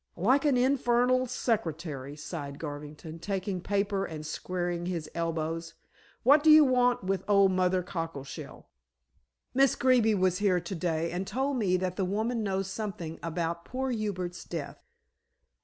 "Like an infernal secretary," sighed Garvington, taking paper and squaring his elbows. "What do you want with old Mother Cockleshell?" "Miss Greeby was here to day and told me that the woman knows something about poor Hubert's death."